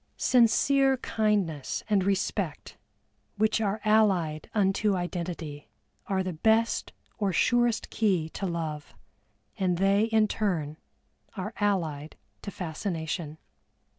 Sincere kindness and respect, which are allied unto identity, are the best or surest key to love, and they in turn are allied to fascination.